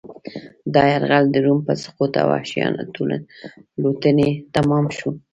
دا یرغل د روم په سقوط او وحشیانه لوټنې تمام شو